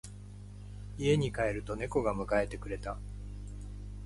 家に帰ると猫が迎えてくれた。